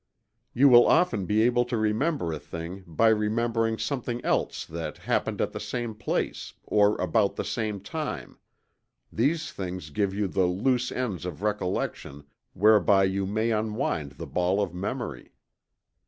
You will often be able to remember a thing by remembering something else that happened at the same place, or about the same time these things give you the "loose ends" of recollection whereby you may unwind the ball of memory.